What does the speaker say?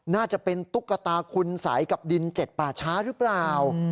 น่าจะเป็นตุ๊กตาคุณสัยกับดินเจ็ดป่าช้าหรือเปล่า